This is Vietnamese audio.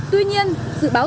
tuy nhiên dự báo